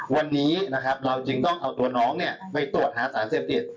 วันนี้นะครับเราจึงต้องเอาตัวน้องเนี่ยไปตรวจหาสารเสพติด